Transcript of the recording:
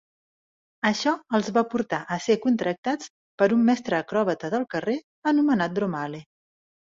Això els va portar a ser contractats per un mestre acròbata del carrer anomenat Dromale.